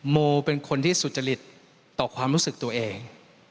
โมเป็นคนที่สุจริตต่อความรู้สึกตัวเอง